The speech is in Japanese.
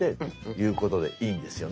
いうことでいいんですよね？